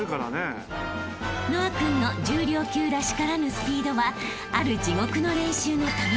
［和青君の重量級らしからぬスピードはある地獄の練習のたまもの］